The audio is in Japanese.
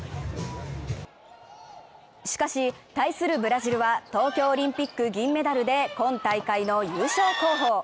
しかし、対するブラジルは東京オリンピック銀メダルで今大会の優勝候補。